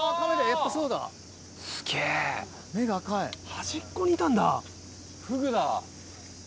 端っこにいたんだ。